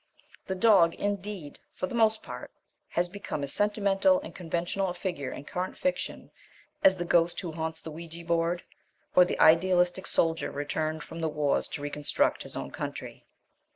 The dog, indeed, for the most part, has become as sentimental and conventional a figure in current fiction as the ghost who haunts the ouija board or the idealistic soldier returned from the wars to reconstruct his own country.